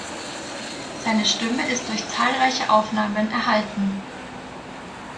Seine Stimme ist durch zahlreiche Aufnahmen erhalten.